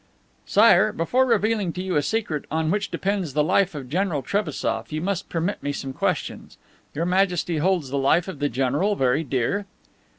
"Sire, before revealing to you a secret on which depends the life of General Trebassof, you must permit me some questions. Your Majesty holds the life of the general very dear?"